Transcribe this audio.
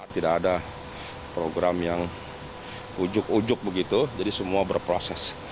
tidak ada program yang ujuk ujuk begitu jadi semua berproses